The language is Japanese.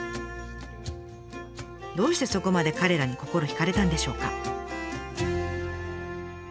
どうしてそこまで彼らに心惹かれたんでしょうか？